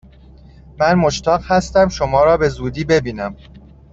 من مشتاق هستم شما را به زودی ببینم!